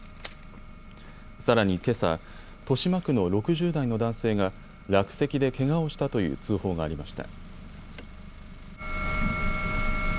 さらにけさ、豊島区の６０代の男性が落石でけがをしたという通報がありました。